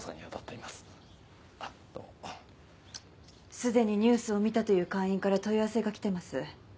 すでにニュースを見たという会員から問い合わせが来てます。